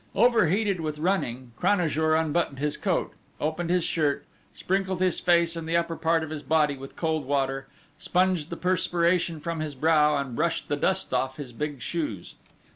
Overheated with running, Cranajour unbuttoned his coat, opened his shirt, sprinkled his face and the upper part of his body with cold water, sponged the perspiration from his brow, and brushed the dust off his big shoes.